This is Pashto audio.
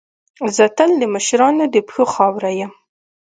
زه تل د مشرانو د پښو خاوره یم.